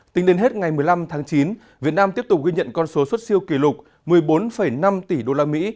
một mươi năm tháng chín việt nam tiếp tục ghi nhận con số xuất siêu kỷ lục một mươi bốn năm tỷ đô la mỹ